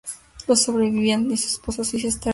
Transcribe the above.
Lo sobreviven su esposa suiza Esther Marty y cuatro hijos.